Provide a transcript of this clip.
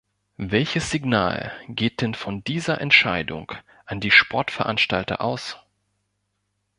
Welches Signal geht denn von dieser Entscheidung an die Sportveranstalter aus?